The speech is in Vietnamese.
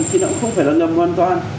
thì nó cũng không phải là ngầm hoàn toàn